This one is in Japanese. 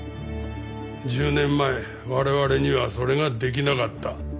１０年前我々にはそれができなかった。